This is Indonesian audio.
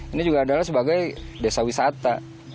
ini juga adalah sebagai desa wisata